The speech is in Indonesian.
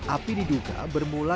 api diduga bermula